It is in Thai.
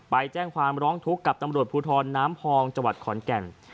ไปแจ้งความร้องทุกข์กับตำรวจภูทรน้ำพองจังหวัดขอนแก่น